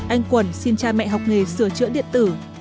anh quẩn xin cha mẹ học nghề sửa chữa điện tử